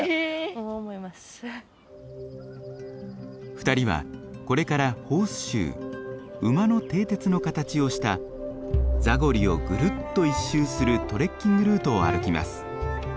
２人はこれからホースシュー馬の蹄鉄の形をしたザゴリをぐるっと一周するトレッキングルートを歩きます。